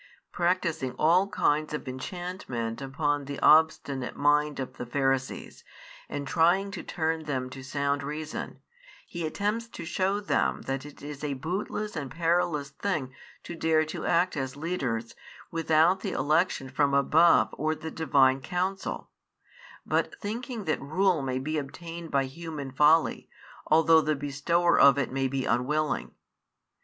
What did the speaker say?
Practising all kinds of enchantment upon the obstinate mind of the Pharisees, and trying to turn them to sound reason, He attempts to show them that it is a bootless and perilous thing to dare to act as leaders, without the election from above or the Divine counsel, but thinking that rule may be obtained by human folly, although the Bestower of it may be unwilling.